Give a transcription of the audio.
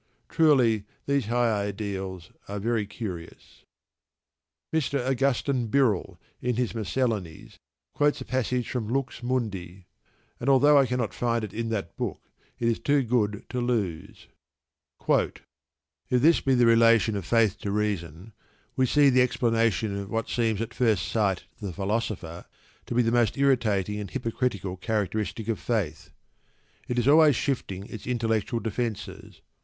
Truly, these high ideals are very curious. Mr. Augustine Birrell, in his Miscellanies, quotes a passage from "Lux Mundi"; and although I cannot find it in that book, it is too good to lose: If this be the relation of faith to reason, we see the explanation of what seems at first sight to the philosopher to be the most irritating and hypocritical characteristic of faith. It is always shifting its intellectual defences.